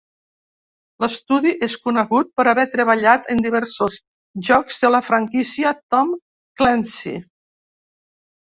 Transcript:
L'estudi és conegut per haver treballat en diversos jocs de la franquícia Tom Clancy.